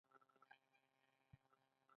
د خولې د کمولو لپاره باید څه شی وکاروم؟